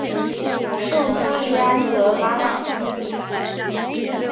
圣朱利安德拉讷夫。